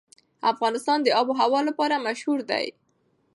افغانستان د آب وهوا لپاره مشهور دی.